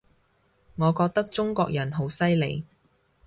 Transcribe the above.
我覺得中國人好犀利